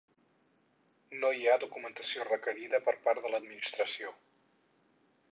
No hi ha documentació requerida per part de l'Administració.